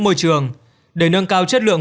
môi trường để nâng cao chất lượng